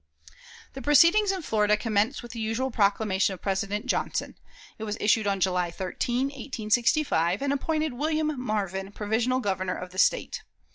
The proceedings in Florida commenced with the usual proclamation of President Johnson. It was issued on July 13, 1865, and appointed William Marvin provisional Governor of the State.